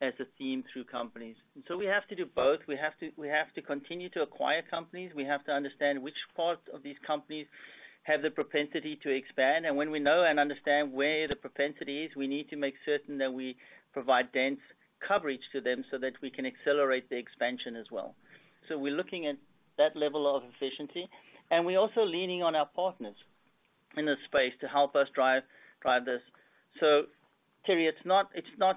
as a theme through companies. We have to do both. We have to continue to acquire companies. We have to understand which parts of these companies have the propensity to expand. When we know and understand where the propensity is, we need to make certain that we provide dense coverage to them so that we can accelerate the expansion as well. We're looking at that level of efficiency, and we're also leaning on our partners in this space to help us drive this. Terry, it's not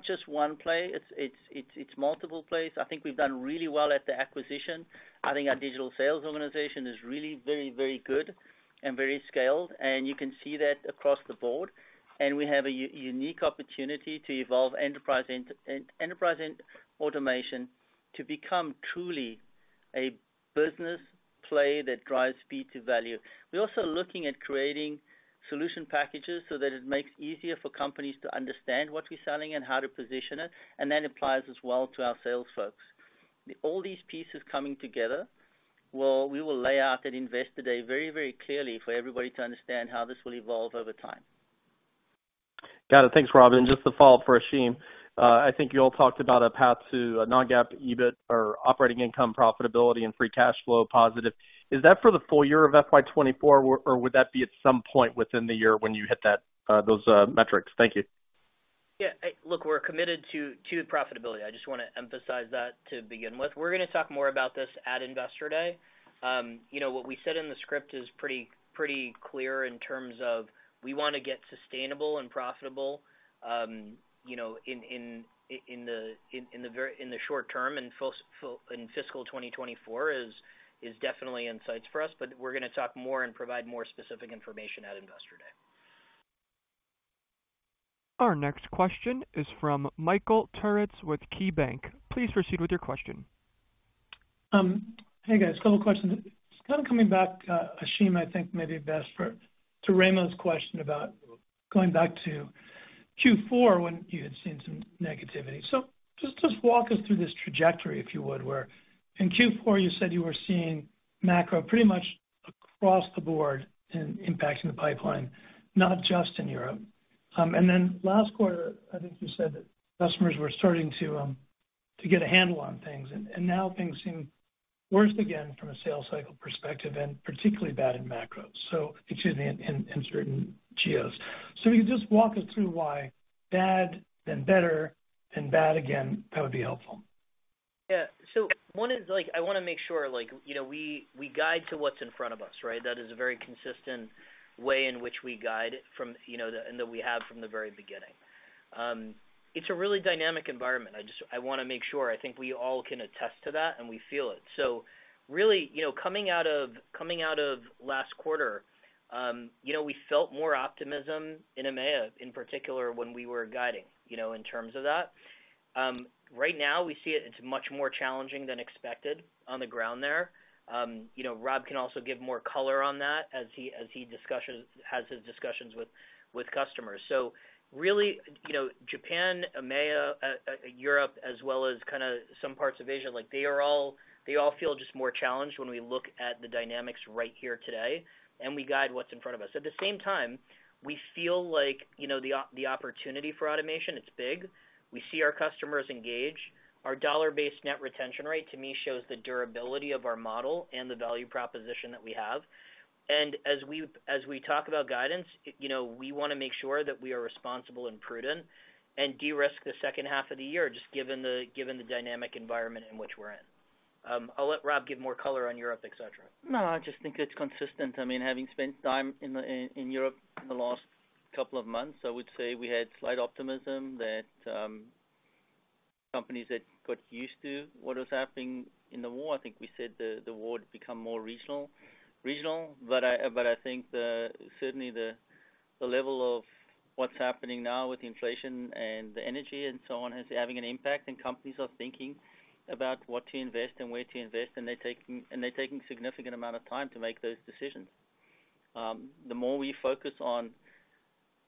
just one play. It's multiple plays. I think we've done really well at the acquisition. I think our digital sales organization is really very good and very scaled, and you can see that across the board. We have a unique opportunity to evolve enterprise end-to-end automation to become truly a business play that drives speed to value. We're also looking at creating solution packages so that it makes easier for companies to understand what we're selling and how to position it, and that applies as well to our sales folks. All these pieces coming together, we will lay out at Investor Day very, very clearly for everybody to understand how this will evolve over time. Got it. Thanks, Rob. Just a follow-up for Ashim. I think you all talked about a path to non-GAAP, EBIT or operating income profitability and free cash flow positive. Is that for the full year of FY 2024, or would that be at some point within the year when you hit that, those metrics? Thank you. Yeah. Look, we're committed to profitability. I just wanna emphasize that to begin with. We're gonna talk more about this at Investor Day. You know, what we said in the script is pretty clear in terms of we wanna get sustainable and profitable, in the short term and in fiscal 2024 is definitely in sight for us. We're gonna talk more and provide more specific information at Investor Day. Our next question is from Michael Turits with KeyBanc. Please proceed with your question. Hey, guys, couple questions. Kinda coming back, Ashim, I think may be best to Raymond's question about going back to Q4 when you had seen some negativity. Just walk us through this trajectory, if you would, where in Q4 you said you were seeing macro pretty much across the board impacting the pipeline, not just in Europe. Then last quarter, I think you said that customers were starting to get a handle on things, and now things seem worse again from a sales cycle perspective and particularly bad in macro, excuse me, in certain geos. Can you just walk us through why bad then better then bad again? That would be helpful. Yeah. One is like I wanna make sure like, you know, we guide to what's in front of us, right? That is a very consistent way in which we guide from, you know, and that we have from the very beginning. It's a really dynamic environment. I wanna make sure, I think we all can attest to that, and we feel it. Really, you know, coming out of last quarter, you know, we felt more optimism in EMEA in particular when we were guiding, you know, in terms of that. Right now we see it's much more challenging than expected on the ground there. You know, Rob can also give more color on that as he has his discussions with customers. Really, you know, Japan, EMEA, Europe as well as kinda some parts of Asia, like they all feel just more challenged when we look at the dynamics right here today, and we guide what's in front of us. At the same time, we feel like, you know, the opportunity for automation, it's big. We see our customers engage. Our dollar-based net retention rate to me shows the durability of our model and the value proposition that we have. As we talk about guidance, you know, we wanna make sure that we are responsible and prudent and de-risk the second half of the year, just given the dynamic environment in which we're in. I'll let Rob give more color on Europe, et cetera. No, I just think it's consistent. I mean, having spent time in Europe in the last couple of months, I would say we had slight optimism that companies had got used to what was happening in the war. I think we said the war had become more regional. I think the certainly the level of what's happening now with inflation and the energy and so on is having an impact, and companies are thinking about what to invest and where to invest, and they're taking significant amount of time to make those decisions. The more we focus on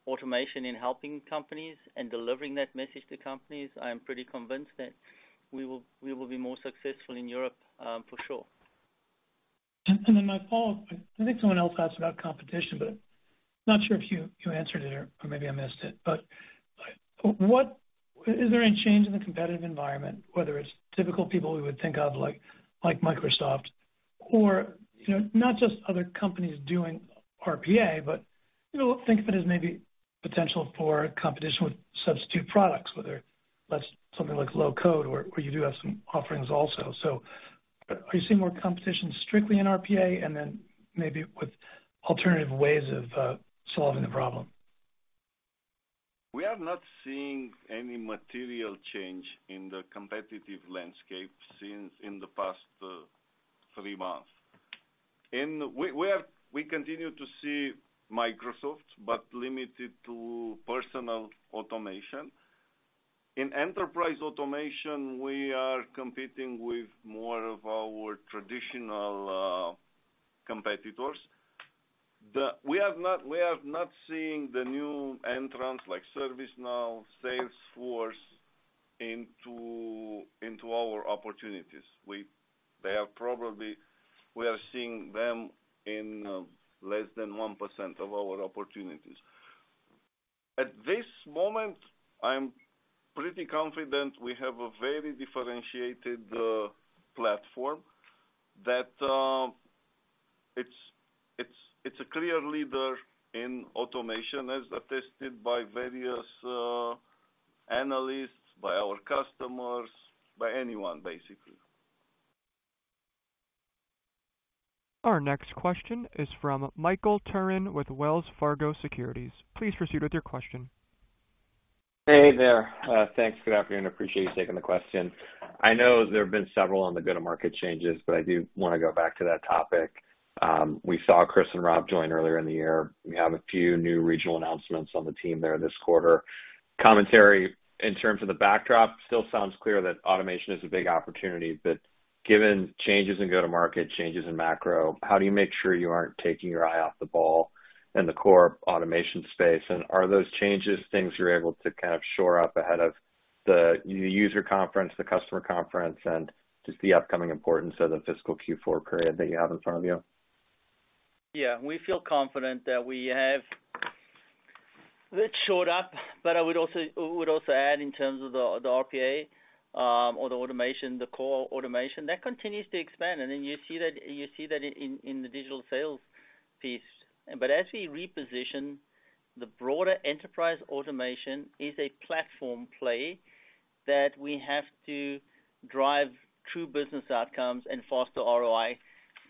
automation in helping companies and delivering that message to companies, I am pretty convinced that we will be more successful in Europe, for sure. My follow-up. I think someone else asked about competition, but not sure if you answered it or maybe I missed it. What is there any change in the competitive environment, whether it's typical people we would think of like Microsoft or, you know, not just other companies doing RPA, but, you know, think of it as maybe potential for competition with substitute products, whether that's something like low code where you do have some offerings also. Are you seeing more competition strictly in RPA and then maybe with alternative ways of solving the problem? We have not seen any material change in the competitive landscape since in the past three months. We continue to see Microsoft, but limited to personal automation. In enterprise automation, we are competing with more of our traditional competitors. We have not seen the new entrants like ServiceNow, Salesforce into our opportunities. We are seeing them in less than 1% of our opportunities. At this moment, I'm pretty confident we have a very differentiated platform that it's a clear leader in automation as attested by various analysts, by our customers, by anyone, basically. Our next question is from Michael Turrin with Wells Fargo Securities. Please proceed with your question. Hey there. Thanks. Good afternoon. Appreciate you taking the question. I know there have been several on the go-to-market changes, but I do wanna go back to that topic. We saw Chris and Rob join earlier in the year. We have a few new regional announcements on the team there this quarter. Commentary in terms of the backdrop still sounds clear that automation is a big opportunity. Given changes in go-to-market, changes in macro, how do you make sure you aren't taking your eye off the ball in the core automation space? Are those changes things you're able to kind of shore up ahead of the user conference, the customer conference, and just the upcoming importance of the fiscal Q4 period that you have in front of you? We feel confident that we have that showed up, but I would also add in terms of the RPA or the automation, the core automation, that continues to expand. Then you see that in the digital sales piece. As we reposition, the broader enterprise automation is a platform play that we have to drive true business outcomes and foster ROI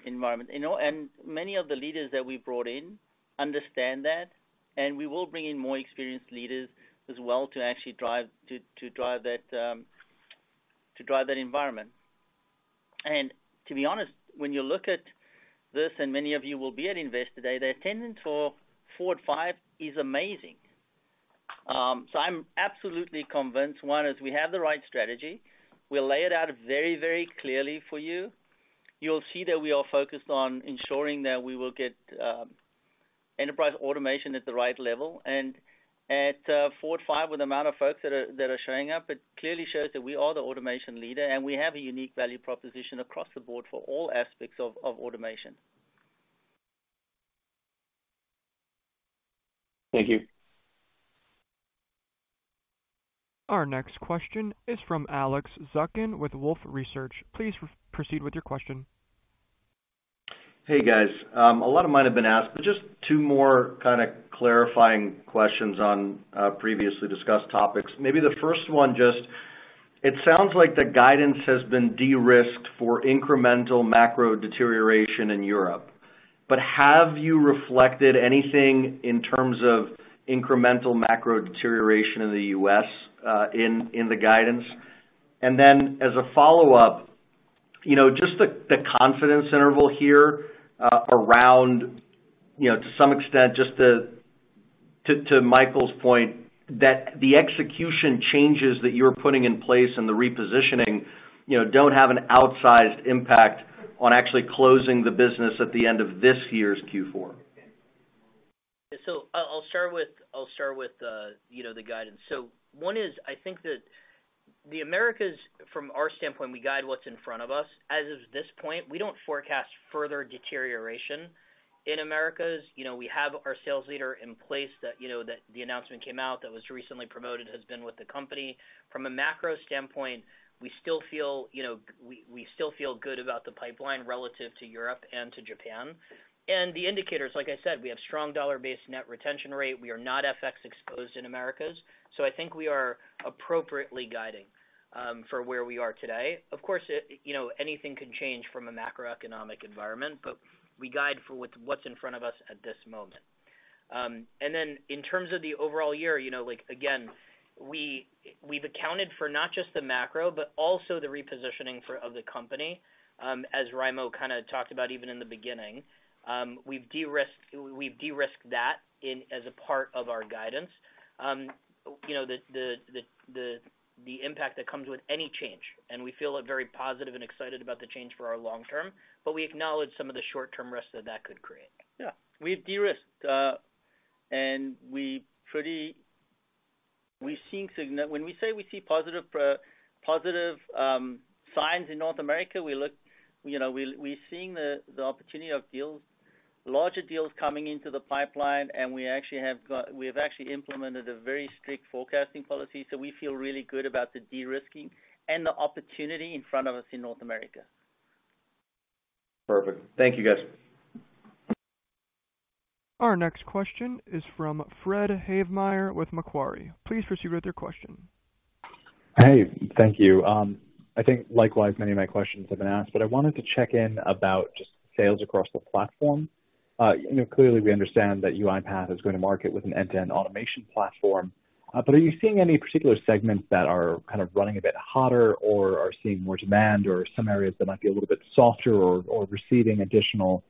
environment. You know, many of the leaders that we brought in understand that, and we will bring in more experienced leaders as well to actually drive that environment. To be honest, when you look at this, many of you will be at Investor today, the attendance for FORWARD 5 is amazing. I'm absolutely convinced, one is we have the right strategy. We'll lay it out very, very clearly for you. You'll see that we are focused on ensuring that we will get enterprise automation at the right level. At FORWARD 5, with the amount of folks that are showing up, it clearly shows that we are the automation leader, and we have a unique value proposition across the board for all aspects of automation. Thank you. Our next question is from Alex Zukin with Wolfe Research. Please proceed with your question. Hey, guys. A lot of questions have been asked, but just two more kinda clarifying questions on previously discussed topics. Maybe the first one just it sounds like the guidance has been de-risked for incremental macro deterioration in Europe. Have you reflected anything in terms of incremental macro deterioration in the U.S. in the guidance? As a follow-up, you know, just the confidence interval here around you know to some extent just to Michael's point that the execution changes that you're putting in place and the repositioning you know don't have an outsized impact on actually closing the business at the end of this year's Q4. I'll start with, you know, the guidance. One is, I think that- The Americas, from our standpoint, we guide what's in front of us. As of this point, we don't forecast further deterioration in Americas. You know, we have our sales leader in place that, you know, that the announcement came out that was recently promoted, has been with the company. From a macro standpoint, we still feel good about the pipeline relative to Europe and to Japan. The indicators, like I said, we have strong dollar-based net retention rate. We are not FX-exposed in Americas. So I think we are appropriately guiding for where we are today. Of course, you know, anything can change from a macroeconomic environment, but we guide for what's in front of us at this moment. In terms of the overall year, you know, like again, we've accounted for not just the macro, but also the repositioning of the company, as Raimo kinda talked about even in the beginning. We've de-risked that as a part of our guidance. You know, the impact that comes with any change, and we feel very positive and excited about the change for our long term, but we acknowledge some of the short-term risks that could create. Yeah. We've de-risked. When we say we see positive signs in North America, you know, we're seeing the opportunity of deals, larger deals coming into the pipeline, and we have actually implemented a very strict forecasting policy, so we feel really good about the de-risking and the opportunity in front of us in North America. Perfect. Thank you, guys. Our next question is from Fred Havemeyer with Macquarie. Please proceed with your question. Hey, thank you. I think likewise many of my questions have been asked, but I wanted to check in about just sales across the platform. You know, clearly we understand that UiPath is gonna market with an end-to-end automation platform. Are you seeing any particular segments that are kind of running a bit hotter or are seeing more demand or some areas that might be a little bit softer or receiving additional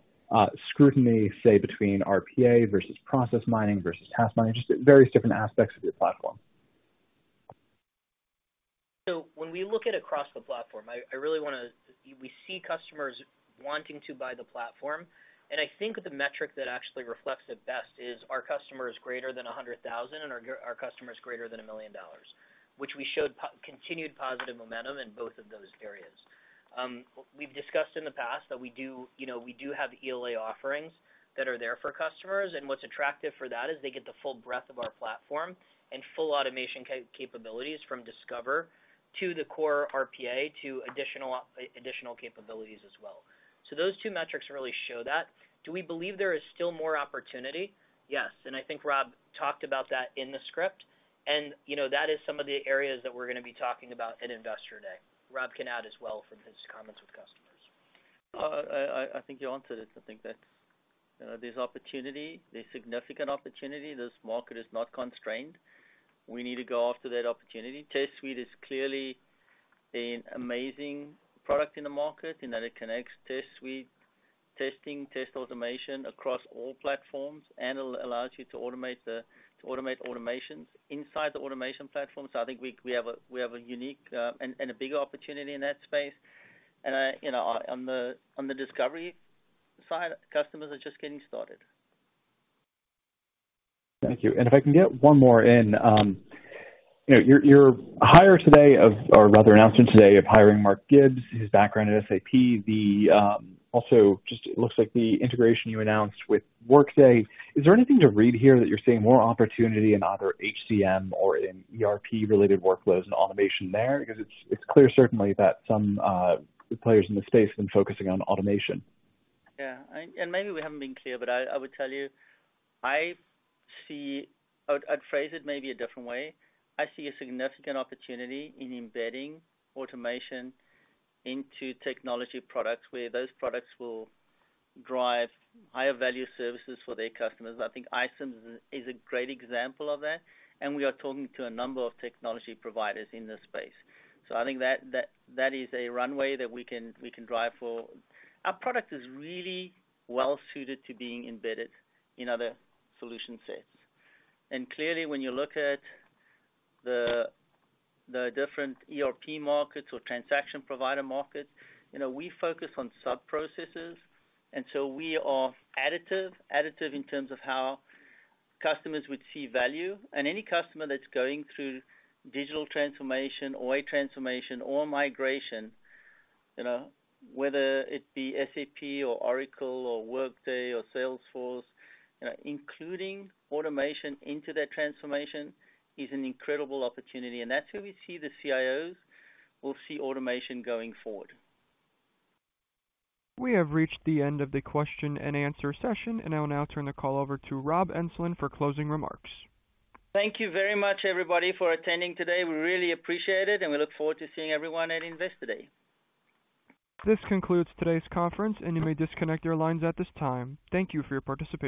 scrutiny, say, between RPA versus process mining versus task mining? Just various different aspects of your platform. When we look across the platform, we see customers wanting to buy the platform. I think the metric that actually reflects it best is our customers greater than $100,000 and our customers greater than $1 million, which we showed continued positive momentum in both of those areas. We've discussed in the past that we do, you know, have ELA offerings that are there for customers, and what's attractive for that is they get the full breadth of our platform and full automation capabilities from Discover to the core RPA to additional capabilities as well. Those two metrics really show that. Do we believe there is still more opportunity? Yes. I think Rob talked about that in the script. You know, that is some of the areas that we're gonna be talking about at Investor Day. Rob can add as well from his comments with customers. I think you answered it. I think that's, there's opportunity. There's significant opportunity. This market is not constrained. We need to go after that opportunity. Test Suite is clearly an amazing product in the market, in that it connects Test Suite testing, test automation across all platforms and allows you to automate the, to automate automations inside the automation platform. So I think we have a unique and a bigger opportunity in that space. You know, on the Discovery side, customers are just getting started. Thank you. If I can get one more in. You know, your hire today of, or rather announcement today of hiring Mark Gibbs, his background at SAP, also just looks like the integration you announced with Workday. Is there anything to read here that you're seeing more opportunity in either HCM or in ERP-related workflows and automation there? Because it's clear certainly that some players in the space have been focusing on automation. Yeah. Maybe we haven't been clear, but I would tell you, I'd phrase it maybe a different way. I see a significant opportunity in embedding automation into technology products where those products will drive higher value services for their customers. I think iCIMS is a great example of that, and we are talking to a number of technology providers in this space. I think that is a runway that we can drive for. Our product is really well suited to being embedded in other solution sets. Clearly, when you look at the different ERP markets or transaction provider markets, you know, we focus on sub-processes, and so we are additive in terms of how customers would see value. Any customer that's going through digital transformation or a transformation or migration, you know, whether it be SAP or Oracle or Workday or Salesforce, you know, including automation into that transformation is an incredible opportunity. That's where we see the CIOs will see automation going forward. We have reached the end of the question and answer session, and I will now turn the call over to Rob Enslin for closing remarks. Thank you very much, everybody, for attending today. We really appreciate it, and we look forward to seeing everyone at Investor Day. This concludes today's conference, and you may disconnect your lines at this time. Thank you for your participation.